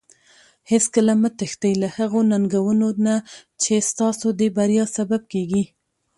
هیڅکله مه تښتي له هغو ننګونو نه چې ستاسو د بریا سبب کیږي.